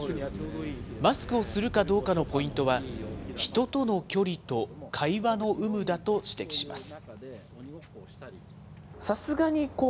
マスクをするかどうかのポイントは、人との距離と会話の有無だと指摘します。